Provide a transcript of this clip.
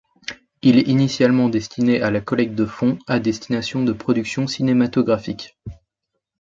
Il est initialement destiné à la collecte de fonds à destination de productions cinématographiques.